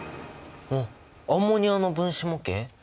おっアンモニアの分子模型？